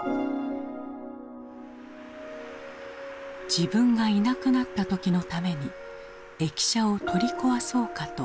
自分がいなくなった時のために駅舎を取り壊そうかと考えた。